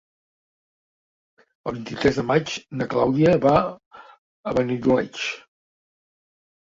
El vint-i-tres de maig na Clàudia va a Benidoleig.